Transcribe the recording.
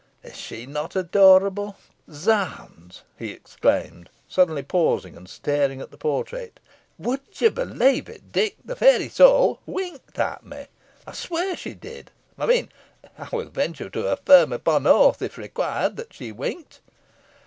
Is she not adorable? Zounds!" he exclaimed, suddenly pausing, and staring at the portrait "Would you believe it, Dick? The fair Isole winked at me I'll swear she did. I mean I will venture to affirm upon oath, if required, that she winked."